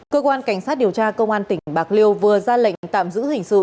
cơ quan cảnh sát điều tra công an tỉnh bạc liêu vừa ra lệnh tạm giữ hình sự